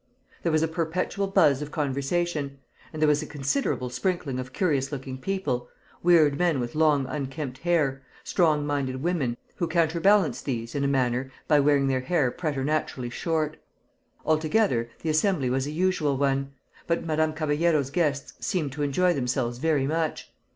There was a perpetual buzz of conversation; and there was a considerable sprinkling of curious looking people; weird men with long unkempt hair, strong minded women, who counterbalanced these in a manner by wearing their hair preternaturally short. Altogether, the assembly was an unusual one; but Madame Caballero's guests seemed to enjoy themselves very much.